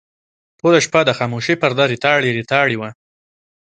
ټوله شپه د خاموشۍ پرده ریتاړې ریتاړې وه.